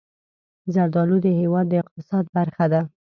زردالو د هېواد د اقتصاد برخه ده.